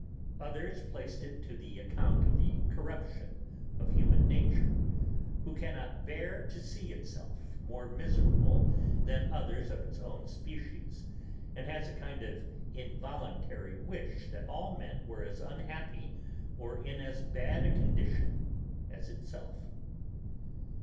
Others placed it to the account of the corruption of human nature, who cannot bear to see itself more miserable than others of its own species, and has a kind of involuntary wish that all men were as unhappy or in as bad a condition as itself.